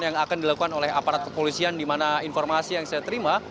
yang akan dilakukan oleh aparat kepolisian di mana informasi yang saya terima